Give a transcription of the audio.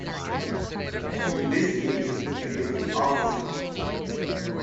But in this case it is the opposite.